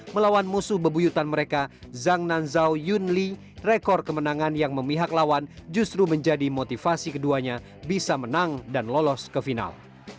melawan musuh bebuyutan mereka zhang nanzao yunli rekor kemenangan yang memihak lawan justru menjadi motivasi keduanya bisa menang dan lolos ke final